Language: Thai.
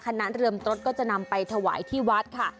เรือมตรก็จะนำไปถวายที่วัดค่ะ